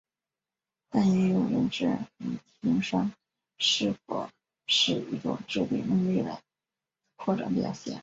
但也有人质疑情商是否是一种智力能力的扩展表现。